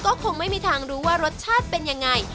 ก็คงไม่มีทางรู้ว่ารสชาติเป็นยังไง